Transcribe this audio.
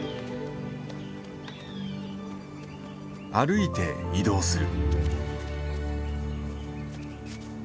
歩いて移動する。